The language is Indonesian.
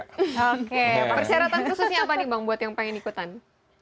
oke persyaratan khususnya apa nih bang buat yang pengen ikutan